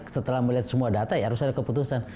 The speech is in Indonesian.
setelah melihat semua data ya harus ada keputusan